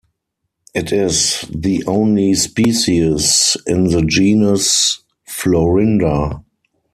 It is the only species in the genus Florinda.